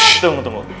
shhh tunggu tunggu